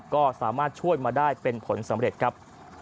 ก็สามารถช่วยมาได้เป็นผลสำเร็จครับ